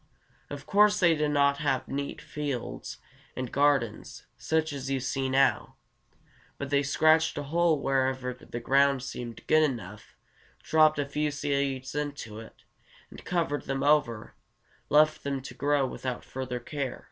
Of course they did not have neat fields and gardens, such as you see now; but they scratched a hole wherever the ground seemed good enough, dropped a few seeds into it, and covering them over, left them to grow without further care.